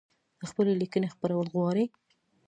خپلي لیکنۍ خپرول غواړی؟